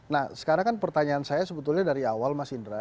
nah sekarang kan pertanyaan saya sebetulnya dari awal mas indra